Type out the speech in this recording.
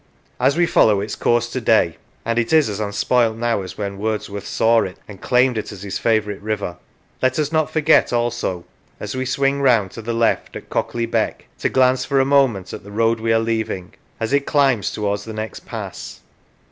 As we follow its course to day and it is as un spoilt now as when Wordsworth saw it and claimed it as his favourite river let us not forget also, as we swing round to the left at Cockley Beck, to glance for a moment at the road we are leaving, as it climbs towards the next pass.